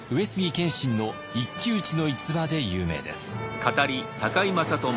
謙信の一騎打ちの逸話で有名です。